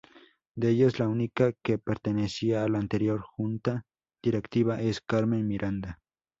De ellos, la única que pertenecía a la anterior Junta Directiva es Carmen Miranda.